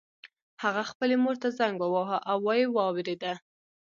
هغه خپلې مور ته زنګ وواهه او ويې واورېده.